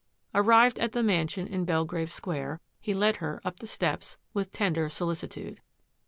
Arrived at the mansion in Belgrave Square, he led her up the steps with tender solicitude.